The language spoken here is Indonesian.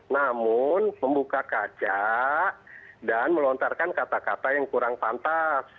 namun membuka kaca dan melontarkan kata kata yang kurang pantas